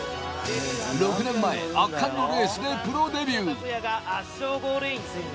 ６年前、圧巻のレースでプロデビュー。